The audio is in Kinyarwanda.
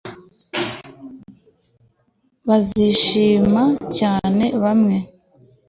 bazishima cyane hamwe